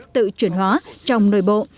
tự chuyển hóa trong nội bộ